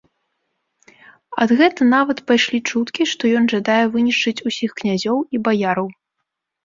Ад гэта нават пайшлі чуткі, што ён жадае вынішчыць усіх князёў і баяраў.